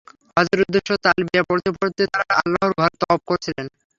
হজ্জের উদ্দেশ্যে তালবিয়া পড়তে পড়তে তারা আল্লাহর ঘর তওয়াফ করছিলেন।